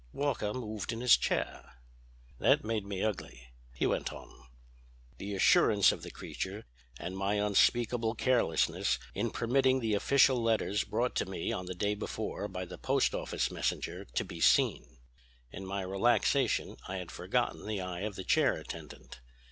Walker moved in his chair. "That made me ugly," he went on, "the assurance of the creature and my unspeakable carelessness in permitting the official letters brought to me on the day before by the post office messenger to be seen. In my relaxation I had forgotten the eye of the chair attendant.